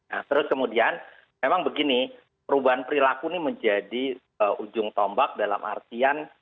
nah terus kemudian memang begini perubahan perilaku ini menjadi ujung tombak dalam artian